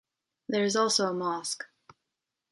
There is also a mosque.